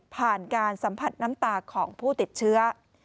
ผ่านการสัมผัสน้ำตาของผู้ติดเชื้อ